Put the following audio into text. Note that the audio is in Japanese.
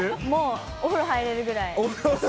もう、お風呂入れるぐらい。